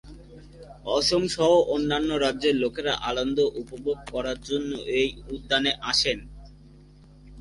অসম সহ অন্যান্য রাজ্যের লোকেরা আনন্দ উপভোগ করার জন্য এই উদ্যানে আসেন।